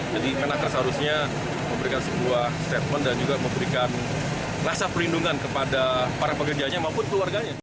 jadi kemenangker seharusnya memberikan sebuah statement dan juga memberikan rasa perlindungan kepada para pekerjanya maupun keluarganya